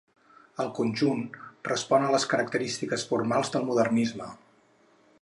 El conjunt respon a les característiques formals del Modernisme.